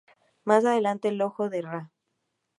Más adelante el "Ojo de Ra".